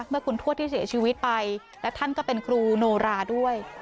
เมื่อคุณทวดที่เสียชีวิตไปและท่านก็เป็นครูโนราด้วย